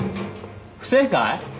不正解？